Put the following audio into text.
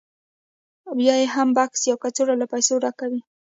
بیا یې هم بکس یا کڅوړه له پیسو ډکه وي